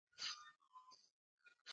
هغه په پخلنځي کې اوبه وڅښلې.